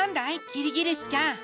キリギリスちゃん。